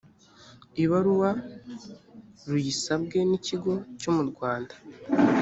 ibaruwa ruyisabwe n ikigo cyo mu rwanda